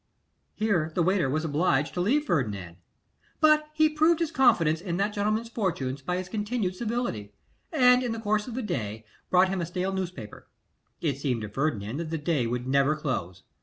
Here the waiter was obliged to leave Ferdinand, but he proved his confidence in that gentleman's fortunes by his continual civility, and in the course of the day brought him a stale newspaper. It seemed to Ferdinand that the day would never close.